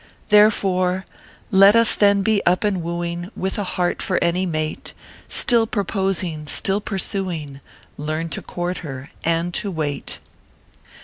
Therefore, " Let us then be up and wooing, "With a heart for any mate, Still proposing, still pursuing, Learn to court her, and to wait."